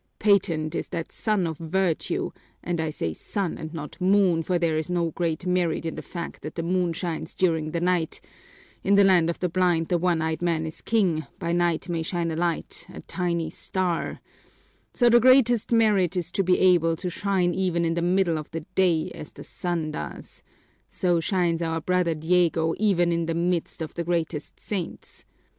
Patent is that sun of virtue, and I say sun and not moon, for there is no great merit in the fact that the moon shines during the night, in the land of the blind the one eyed man is king; by night may shine a light, a tiny star, so the greatest merit is to be able to shine even in the middle of the day, as the sun does; so shines our brother Diego even in the midst of the greatest saints!